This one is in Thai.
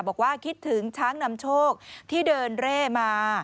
บอกว่าคิดถึงช้างนำโชคที่เดินเร่มา